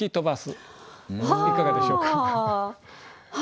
いかがでしょうか？